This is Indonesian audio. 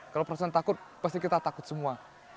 kalau perasaan takut pasti kita takut semua